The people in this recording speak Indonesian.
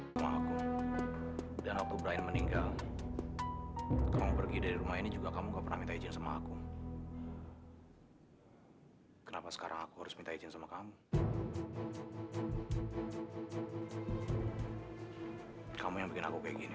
sampai jumpa di video selanjutnya